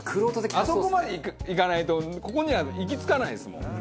あそこまでいかないとここには行き着かないですもん。